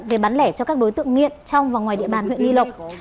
về bán lẻ cho các đối tượng nghiện trong và ngoài địa bàn huyện nghi lộc